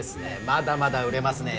まだまだ売れますね